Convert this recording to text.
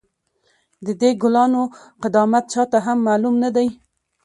، د دې کلا گانو قدامت چا ته هم معلوم نه دی،